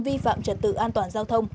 vi phạm trật tự an toàn giao thông